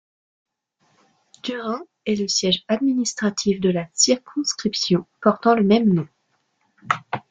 Düren est le siège administratif de la circonscription portant le même nom.